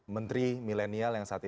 menteri milenial yang saat ini